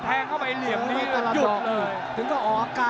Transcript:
โดนท่องโดนท่องมีอาการ